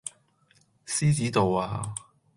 獅子度呀